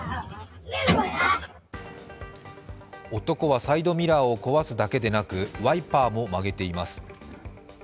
男はサイドミラーを壊すだけでなくワイパーも曲げています。